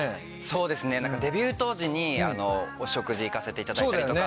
そうですねデビュー当時にお食事行かせていただいたりとか。